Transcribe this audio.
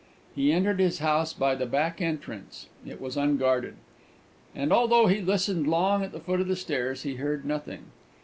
He entered his house by the back entrance: it was unguarded; and although he listened long at the foot of the stairs, he heard nothing.